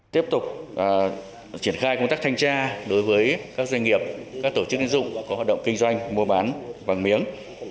tiếp tục triển khai công tác thanh tra đối với các doanh nghiệp các tổ chức tín dụng có hoạt động kinh doanh mua bán vàng miếng